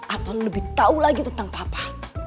atau lebih tahu lagi tentang papa